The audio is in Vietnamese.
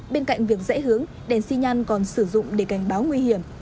bên cạnh việc dễ hướng đèn xi nhăn còn sử dụng để cảnh báo nguy hiểm